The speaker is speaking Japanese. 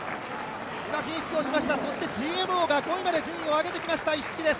フィニッシュをしました、そしてＧＭＯが５位まで順位を上げてきました、一色です。